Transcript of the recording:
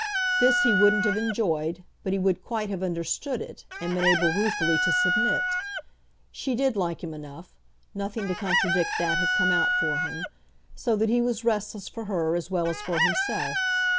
This he wouldn't have enjoyed, but he would quite have understood it and been able ruefully to submit. She did like him enough nothing to contradict that had come out for him; so that he was restless for her as well as for himself.